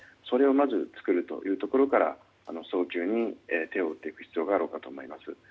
それをまず作るというところから早急に手を打っていく必要があろうかと思います。